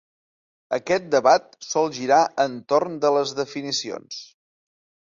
Aquest debat sol girar entorn de les definicions.